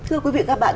thưa quý vị các bạn